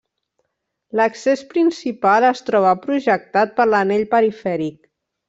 L'accés principal es troba projectat per l'anell perifèric.